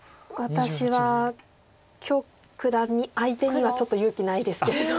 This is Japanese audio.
私は許九段相手にはちょっと勇気ないですけれども。